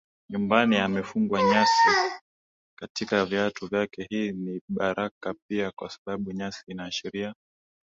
nyumbani amefungwa nyasi katika viatu vyake Hii ni baraka pia kwa sababu nyasi inaashiria